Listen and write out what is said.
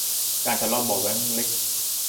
การทะเลาะเบาะแว้งเล็ก